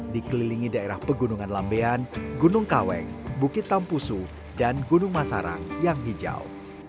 dikelilingi daerah pegunungan lambean gunung kaweng bukit tampusu dan gunung masarang yang hijau